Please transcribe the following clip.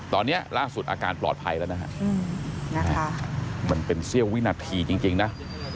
ตอนนี้ล่าสุดอาการปลอดภัยแล้วนะฮะมันเป็นเสี้ยววินาทีจริงนะ